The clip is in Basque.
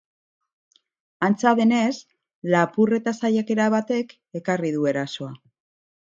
Antza denez, lapurreta saiakera batek ekarri du erasoa.